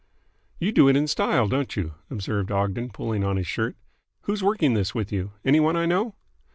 "You do it in style, don't you?" observed Ogden, pulling on his shirt. "Who's working this with you? Any one I know?"